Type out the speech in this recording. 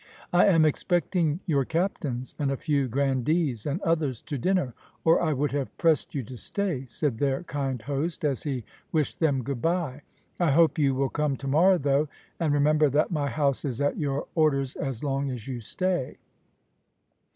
"I am expecting your captains and a few grandees and others to dinner, or I would have pressed you to stay," said their kind host, as he wished them good bye; "I hope you will come to morrow, though, and remember that my house is at your orders as long as you stay."